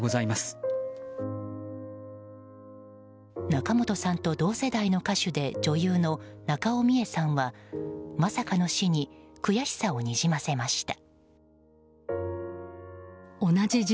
仲本さんと同世代の歌手で女優の中尾ミエさんは、まさかの死に悔しさをにじませました。